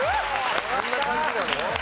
そんな感じなの？